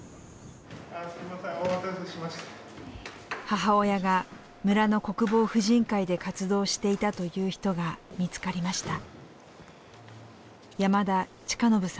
母親が村の国防婦人会で活動していたという人が見つかりました。